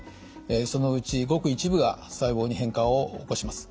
そのうちごく一部が細胞に変化を起こします。